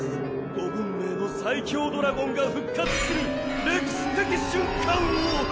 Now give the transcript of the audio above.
五文明の最強ドラゴンが復活する歴史的瞬間を！